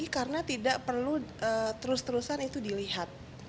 karena tidak perlu terus terusan itu dilihat